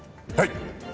はい。